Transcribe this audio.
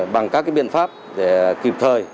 bằng các cái biện pháp để kịp thời